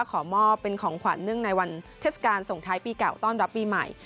ขอมอบเป็นของขวัญเนื่องในวันเทศกาลส่งท้ายปีเก่าต้อนรับปีใหม่